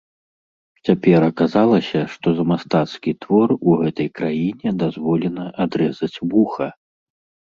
Цяпер аказалася, што за мастацкі твор у гэтай краіне дазволена адрэзаць вуха.